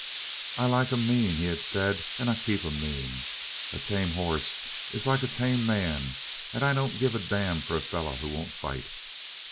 "I like 'em mean," he had said, "and I keep 'em mean. A tame horse is like a tame man, and I don't give a damn for a fellow who won't fight!"